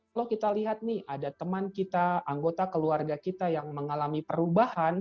kalau kita lihat nih ada teman kita anggota keluarga kita yang mengalami perubahan